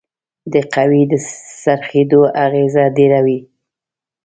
د قوې د څرخیدلو اغیزه ډیره وي.